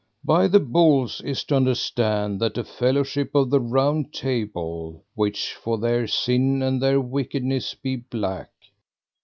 By the bulls is to understand the fellowship of the Round Table, which for their sin and their wickedness be black.